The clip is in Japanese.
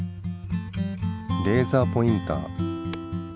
レーザーポインター。